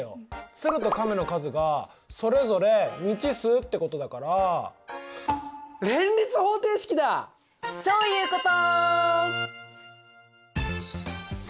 鶴と亀の数がそれぞれ未知数ってことだからそういうこと！